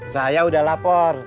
saya udah lapor